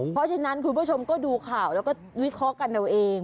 เพราะฉะนั้นคุณผู้ชมก็ดูข่าวแล้วก็วิเคราะห์กันเอาเอง